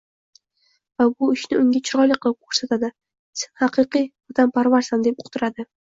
va bu ishni unga chiroyli qilib ko‘rsatadi, «sen haqiqiy vatanparvarsan!» deb uqtiradi.